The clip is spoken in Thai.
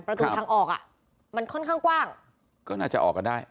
ประตูทางออกอ่ะมันค่อนข้างกว้างก็น่าจะออกกันได้